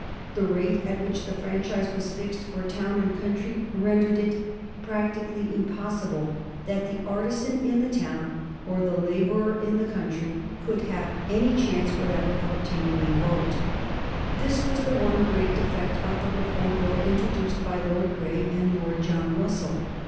The rate at which the franchise was fixed for town and country rendered it practically impossible that the artisan in the town or the laborer in the country could have any chance whatever of obtaining a vote. [Sidenote: 1832 Some defects in the Reform Bill] This was the one great defect of the Reform Bill introduced by Lord Grey and Lord John Russell.